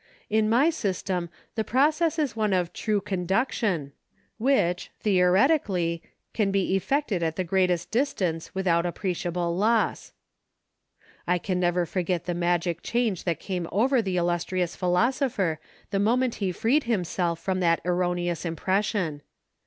In my system the process is one of true conduction which, theoretically, can be effected at the greatest distance without appreciable loss." I can never forget the magic change that came over the illustrious philosopher the moment he freed himself from that erroneous impression.